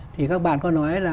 thì các bạn có nói là